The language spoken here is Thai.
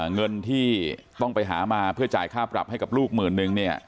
เงินที่ต้องไปหามาเพื่อจ่ายค่าปรับให้กับลูกหมื่นนึงเนี่ย